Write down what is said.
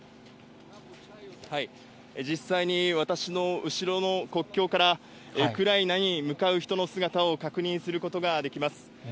実際に私の後ろの国境から、ウクライナに向かう人の姿を確認することができます。